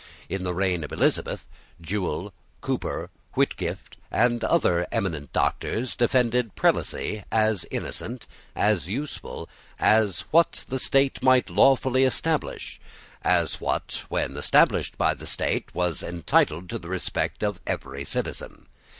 In the reign of Elizabeth, Jewel, Cooper, Whitgift, and other eminent doctors defended prelacy, as innocent, as useful, as what the state might lawfully establish, as what, when established by the state, was entitled to the respect of every citizen.